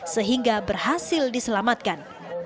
sehingga berhasil diselamatkan